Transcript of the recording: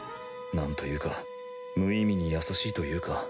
なんというか無意味に優しいというか